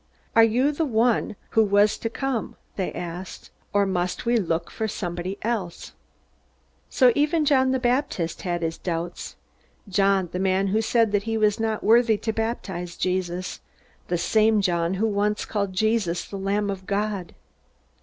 "Are you the One who was to come," they asked, "or must we look for somebody else?" So even John the Baptist had his doubts! John, the man who had said that he was not worthy to baptize Jesus; the same John who once called Jesus the Lamb of God!